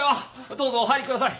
どうぞお入りください！